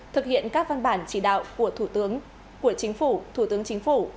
thực hiện các văn bản chỉ đạo của thủ tướng của chính phủ thủ tướng chính phủ